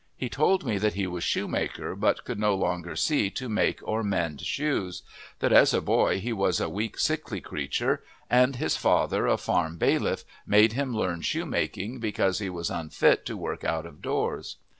He told me that he was shoemaker but could no longer see to make or mend shoes; that as a boy he was a weak, sickly creature, and his father, a farm bailiff, made him learn shoemaking because he was unfit to work out of doors.